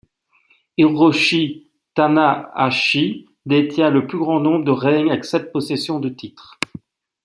Hiroshi Tanahashi détient le plus grand nombre de règnes avec sept possessions de titre.